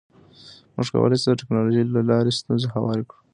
موږ کولی شو د ټکنالوژۍ له لارې ستونزې هوارې کړو.